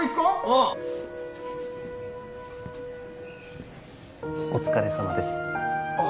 ああお疲れさまですあ